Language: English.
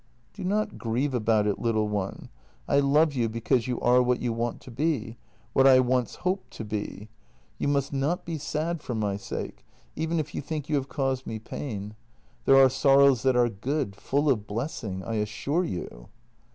" Do not grieve about it, little one! I love you because you are what you want to be — what I once hoped to be. You must JENNY 190 not be sad for my sake, even if you think you have caused me pain; there are sorrows that are good, full of blessing, I assure you."